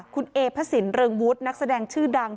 คุณเอพระสินเริงวุฒินักแสดงชื่อดัง